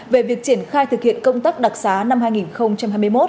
về việc triển khai thực hiện công tác đặc sá năm hai nghìn hai mươi một